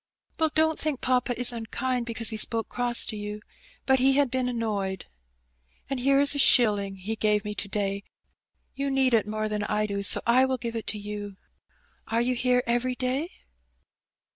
'*" Well don't think papa is unkind because he spoke cross to you, but he had been annoyed. And here is a shilling he gave me to day; you need it more than I do, so I will give it to you. Are you here every day